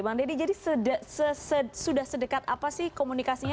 bang deddy jadi sudah sedekat apa sih komunikasinya